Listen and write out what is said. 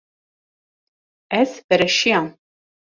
Ez verşiyam.